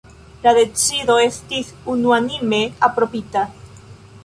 La decido estis unuanime aprobita.